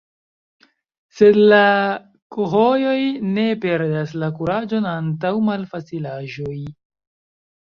Sed la khojoj ne perdas la kuraĝon antaŭ malfacilaĵoj.